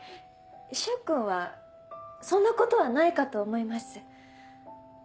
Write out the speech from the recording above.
柊君はそんなことはないかと思います。